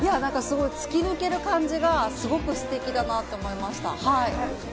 突き抜ける感じが、すごくステキだなと思いました。